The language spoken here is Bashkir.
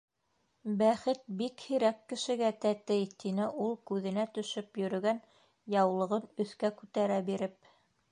Бәхет бик һирәк кешегә тәтей, - тине ул, күҙенә төшөп йөрөгән яулығын өҫкә күтәрә биреп.